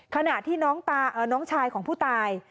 ขณะที่น้องชายของผู้ตาย